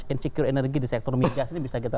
insecure energy di sektor media ini bisa kita